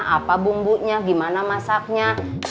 apa bumbunya gimana masaknya